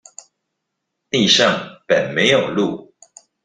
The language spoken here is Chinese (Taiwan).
地上本沒有路